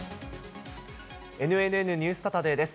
ＮＮＮニュースサタデーです。